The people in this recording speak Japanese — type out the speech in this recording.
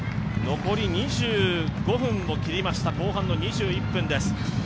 残り２５分を切りました、後半の２１分です。